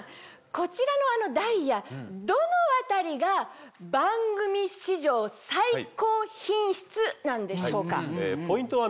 こちらのダイヤどのあたりが番組史上最高品質なんでしょうか？